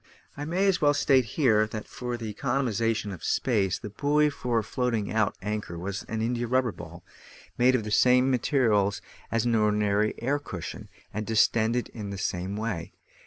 I may as well state here, that for the economisation of space the buoy for floating out anchor was an india rubber ball, made of the same materials as an ordinary air cushion, and distended in the same way.